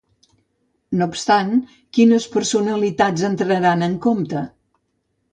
No obstant, quines personalitats entraran en compte?